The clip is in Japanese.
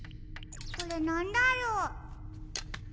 これなんだろう？